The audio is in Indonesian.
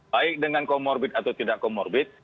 baik dengan comorbid atau tidak comorbid